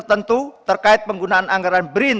itu terima kasih